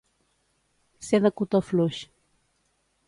Ser de cotó fluix.